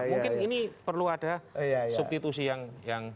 mungkin ini perlu ada substitusi yang